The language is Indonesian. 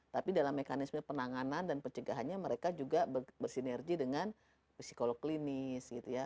tapi dalam mekanisme penanganan dan pencegahannya mereka juga bersinergi dengan psikolog klinis gitu ya